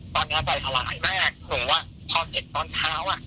ตอนนี้ใจสลายมากหนูว่าพอเสร็จตอนเช้าอ่ะ